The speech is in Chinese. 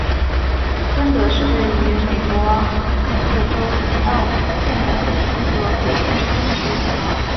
芬德是位于美国阿肯色州兰道夫县的一个非建制地区。